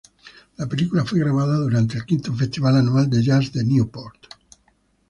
La película fue grabada durante el quinto festival anual de jazz de Newport.